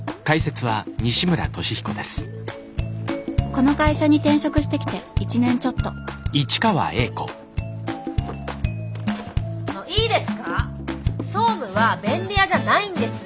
この会社に転職してきて１年ちょっといいですか総務は便利屋じゃないんです。